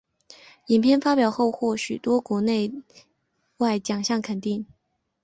影片发表后获多项国内外奖项肯定。